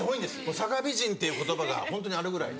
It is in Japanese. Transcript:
佐賀美人っていう言葉がホントにあるぐらい。